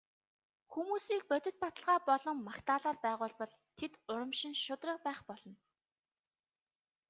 Хүмүүсийг бодит баталгаа болон магтаалаар байгуулбал тэд урамшин шударга байх болно.